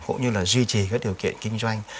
cũng như là duy trì các điều kiện kinh doanh